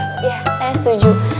ya saya setuju